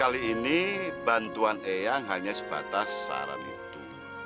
kali ini bantuan eyang hanya sebatas saran itu